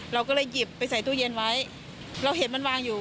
เราก็ดูหลายรอบแล้วมันล็อค